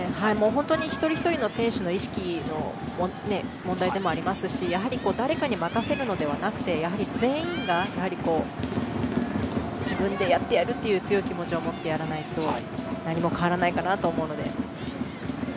本当に一人ひとりの意識の問題でもありますしやはり誰かに任せるのではなくて全員が自分でやってやるという強い気持ちを持ってやらないと何も変わらないかなと思います。